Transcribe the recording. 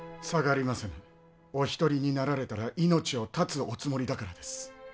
お一人になられたら命を絶つおつもりだからです。